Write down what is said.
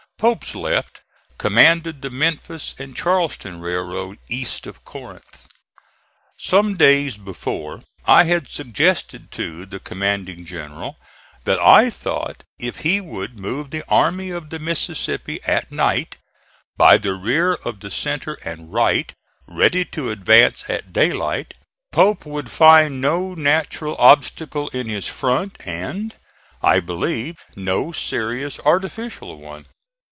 Pope's left commanded the Memphis and Charleston railroad east of Corinth. Some days before I had suggested to the commanding general that I thought if he would move the Army of the Mississippi at night, by the rear of the centre and right, ready to advance at daylight, Pope would find no natural obstacle in his front and, I believed, no serious artificial one.